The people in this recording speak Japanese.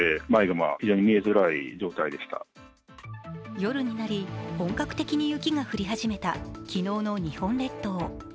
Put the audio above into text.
夜になり、本格的に雪が降り始めた昨日の日本列島。